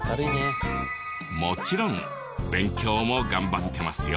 もちろん勉強も頑張ってますよ。